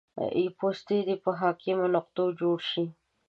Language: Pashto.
پوستې دې په حاکمو نقطو جوړې شي